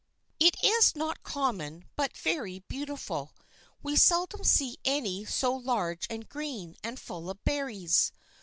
"It is not common, but very beautiful; we seldom see any so large and green, and full of berries.